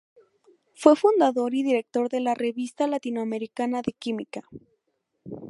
Fue fundador y director de la "Revista Latinoamericana de Química".